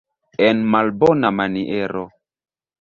En malbona maniero.